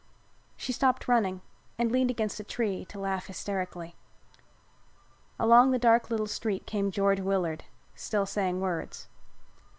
She stopped running, and leaned against a tree to laugh hysterically. Along the dark little street came George Willard, still saying words.